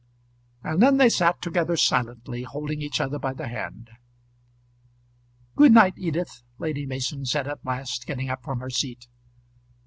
And then they sat together silently, holding each other by the hand. "Good night, Edith," Lady Mason said at last, getting up from her seat.